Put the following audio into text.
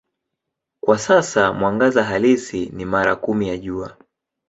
Kwa sasa mwangaza halisi ni mara kumi ya Jua.